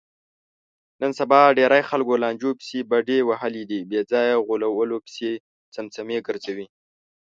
نن سبا ډېری خلکو لانجو پسې بډې وهلي دي، بېځایه غولو پسې څمڅې ګرځوي.